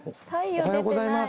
おはようございます。